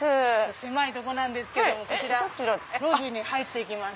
狭いとこなんですけどもこちら路地に入って行きます。